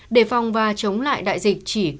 để phòng và chống lại đại dịch